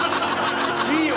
いいよ！